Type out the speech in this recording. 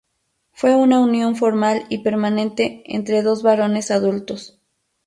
Fue una unión formal y permanente entre dos varones adultos.